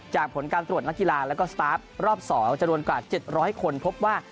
ผลการตรวจนักกีฬาแล้วก็สตาร์ฟรอบ๒จำนวนกว่า๗๐๐คนพบว่า